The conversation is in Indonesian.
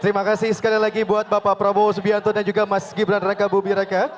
terima kasih sekali lagi buat bapak prabowo subianto dan juga mas gibran raka bumi raka